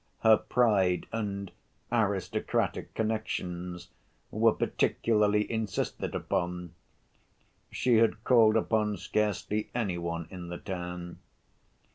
Her pride and "aristocratic connections" were particularly insisted upon (she had called upon scarcely any one in the town).